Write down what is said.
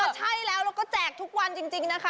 ใช่แล้วแล้วก็แจกทุกวันจริงนะคะ